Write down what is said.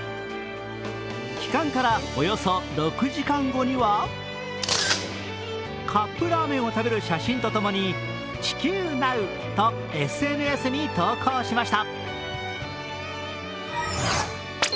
帰還からおよそ６時間後にはカップラーメンを食べる写真とともに「地球なう」とＳＮＳに投稿しました。